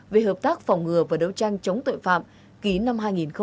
về hợp tác phòng ngừa và đấu tranh chống tuệ phạm ký năm hai nghìn năm